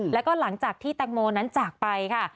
แล้วก็หลังจากที่แตงโมนั้นจากไปค่ะ